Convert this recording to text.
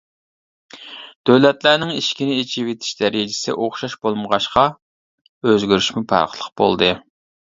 دۆلەتلەرنىڭ ئىشىكنى ئېچىۋېتىش دەرىجىسى ئوخشاش بولمىغاچقا ئۆزگىرىشمۇ پەرقلىق بولدى.